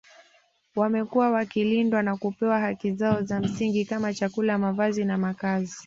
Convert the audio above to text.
Wamekuwa wakilindwa na kupewa haki zao za msingi kama chakula mavazi na makazi